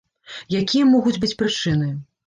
Якія могуць быць прычыны?